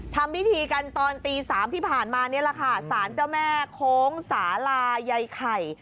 ทำพิธีกันตอนตี๓ที่ผ่านมานี่แหละค่ะสารเจ้าแม่โค้งสาลาใยไข่